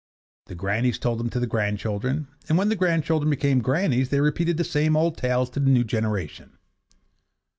The grannies told them to the grandchildren, and when the grandchildren became grannies they repeated the same old tales to the new generation.